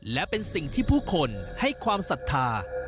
และเป็นสิ่งที่ผู้คนให้ความศรัทธา